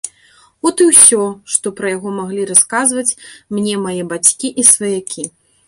От і ўсё, што пра яго маглі расказваць мне мае бацькі і сваякі.